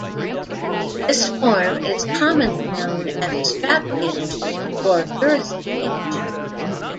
This form is commonly known as a strap hitch or girth hitch.